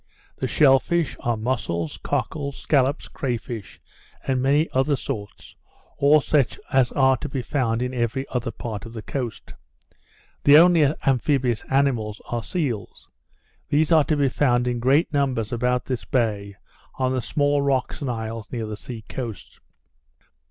The shell fish are, muscles, cockles, scallops, cray fish, and many other sorts, all such as are to be found in every other part of the coast. The only amphibious animals are seals: These are to be found in great numbers about this bay on the small rocks and isles near the sea coast.